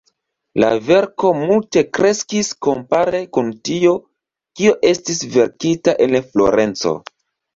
La verko multe kreskis kompare kun tio, kio estis verkita en Florenco.